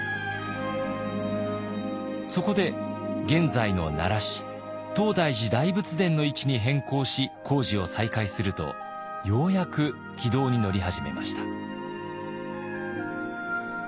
そこで現在の奈良市東大寺大仏殿の位置に変更し工事を再開するとようやく軌道に乗り始めました。